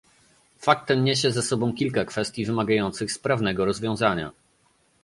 Fakt ten niesie za sobą kilka kwestii wymagających sprawnego rozwiązania